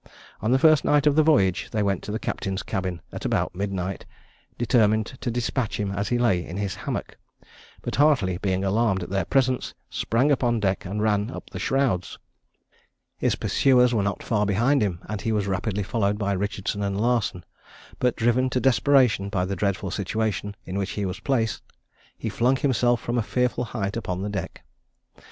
On the first night of the voyage, they went to the captain's cabin at about midnight, determined to despatch him as he lay in his hammock; but Hartley being alarmed at their presence, sprang upon deck and ran up the shrouds. His pursuers were not far behind him, and he was rapidly followed by Richardson and Larson; but, driven to desperation by the dreadful situation in which he was placed, he flung himself from a fearful height upon the deck.